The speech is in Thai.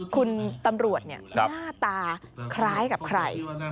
คุณตำรวจหน้าตาคล้ายกับใคร